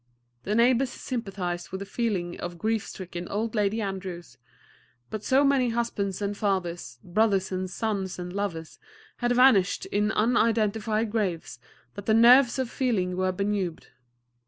The neighbors sympathized with the feeling of grief stricken Old Lady Andrews, but so many husbands and fathers, brothers and sons and lovers, had vanished in unidentified graves that the nerves of feeling were benumbed.